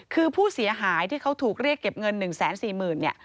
คือผู้เสียหายที่เขาถูกเรียกเก็บเงิน๑๔๐๐๐เนี่ย